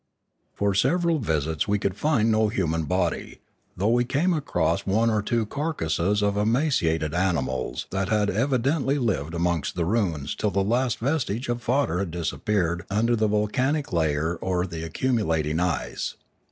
For several visits we could find no human body, though we came across one or two carcasses of emaci ated animals that had evidently lived amongst the ruins till the last vestige of fodder had disappeared under the volcanic layer or the accumulating ice.